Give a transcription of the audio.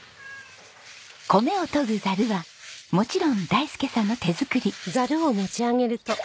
米を研ぐざるはもちろん大介さんの手作り。